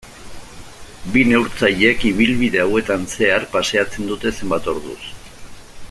Bi neurtzailek ibilbide hauetan zehar paseatzen dute zenbait orduz.